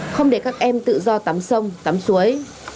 không để các em tự do tắm sông tắm suối